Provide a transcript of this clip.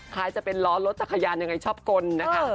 จะเป็นล้อรถจักรยานยังไงชอบกลนะคะ